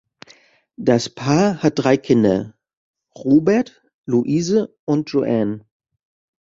Das Paar hat drei Kinder: Robert, Louise und Joanne.